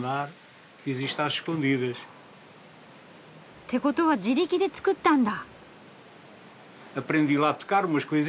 ってことは自力で作ったんだ。